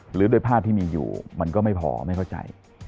หรือโดยภาพที่มีอยู่มันก็ไม่พอไม่เข้าใจ